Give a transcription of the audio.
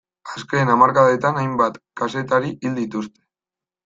Azken hamarkadetan hainbat kazetari hil dituzte.